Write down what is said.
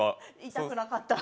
痛くなかった。